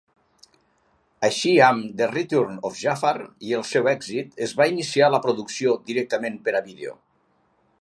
Així, amb "The Return of Jafar" i el seu èxit, es va iniciar la producció directament per a vídeo.